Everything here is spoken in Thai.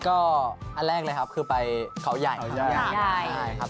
ก็อันแรกเลยครับคือไปเขาใหญ่ใช่ครับ